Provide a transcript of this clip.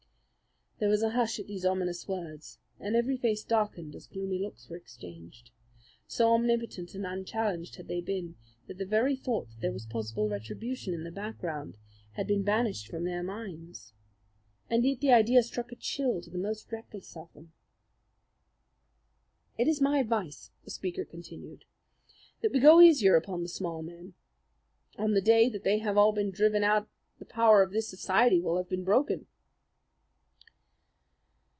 There was a hush at these ominous words, and every face darkened as gloomy looks were exchanged. So omnipotent and unchallenged had they been that the very thought that there was possible retribution in the background had been banished from their minds. And yet the idea struck a chill to the most reckless of them. "It is my advice," the speaker continued, "that we go easier upon the small men. On the day that they have all been driven out the power of this society will have been broken."